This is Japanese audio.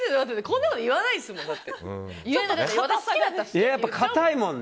こんなこと言わないですもん。